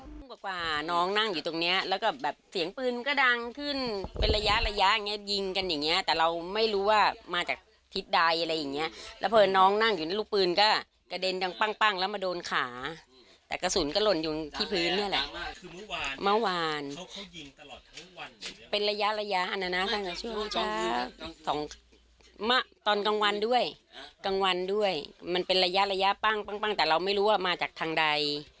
มันเป็นระยะระยะอันนั้นนะช่วงตอนกลางวันด้วยมันเป็นระยะระยะปั้งปั้งแต่เราไม่รู้ว่ามาจากทางใด